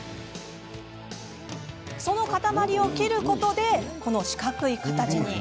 その塊を切ることで四角い形に。